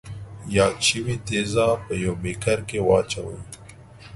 یاد شوي تیزاب په یوه بیکر کې واچوئ.